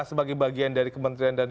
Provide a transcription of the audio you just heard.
sebagai bagian dari kementerian dan